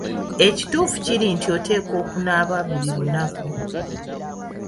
Ekituufu kiri nti oteekwa okunaaba buli lunaku.